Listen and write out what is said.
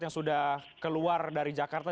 yang sudah keluar dari jakarta